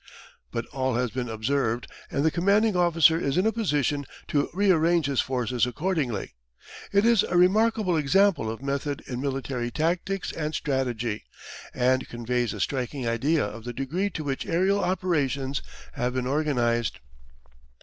But all has been observed, and the commanding officer is in a position to re arrange his forces accordingly. It is a remarkable example of method in military tactics and strategy, and conveys a striking idea of the degree to which aerial operations have been organised.